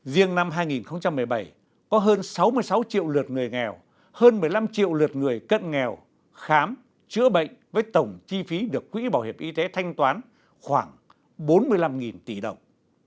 riêng năm hai nghìn một mươi bảy có hơn sáu mươi sáu triệu lượt người nghèo hơn một mươi năm triệu lượt người cận nghèo khám chữa bệnh với tổng chi phí được quỹ bảo hiểm y tế thanh toán khoảng bốn mươi năm tỷ đồng